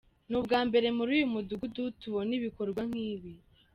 Ni ubwa mbere muri uyu mudugudu tubona ibikorwa nk’ibi.